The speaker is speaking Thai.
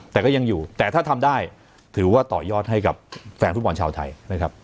แต่ก็ยังอยู่แต่ถ้าทำได้ถือว่าต่อยอดให้กับแฟนฟุตบอลชาวไทยนะครับ